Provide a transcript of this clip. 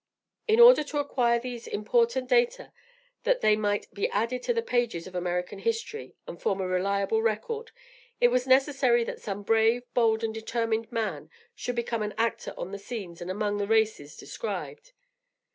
In order to acquire these important data that they might be added to the pages of American history and form a reliable record, it was necessary that some brave, bold and determined man should become an actor on the scenes and among the races described.